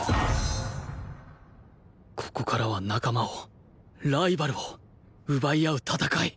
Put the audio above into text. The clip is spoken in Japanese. ここからは仲間をライバルを奪い合う戦い！